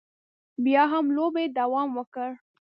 بیا هم لوبې دوام وکړ.